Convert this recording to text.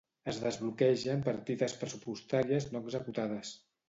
Es desbloquegen partides pressupostàries no executades.